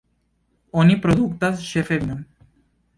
Oni produktas ĉefe vinon.